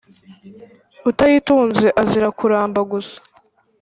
Utayitunze azira kuramba gusa